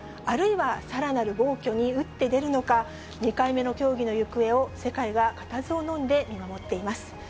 あるいは、さらなる暴挙に打って出るのか、２回目の協議の行方を世界がかたずを飲んで見守っています。